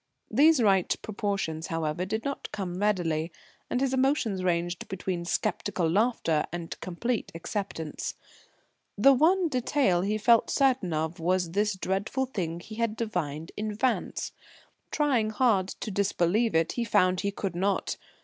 These right proportions, however, did not come readily, and his emotions ranged between sceptical laughter and complete acceptance. The one detail he felt certain of was this dreadful thing he had divined in Vance. Trying hard to disbelieve it, he found he could not.